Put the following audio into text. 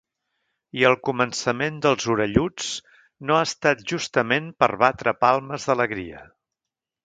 I el començament dels orelluts no ha estat justament per batre palmes d’alegria.